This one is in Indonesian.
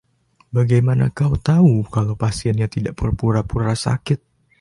Bagaimana kau tahu kalau pasiennya tidak berpura-pura sakit?